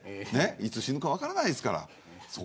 いつ死ぬか分からないですから。